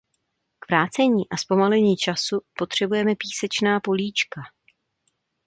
K vrácení a zpomalení času potřebujeme písečná políčka.